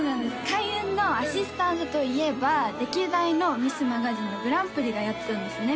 開運のアシスタントといえば歴代のミスマガジンのグランプリがやってたんですね